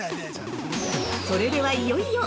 ◆それではいよいよ！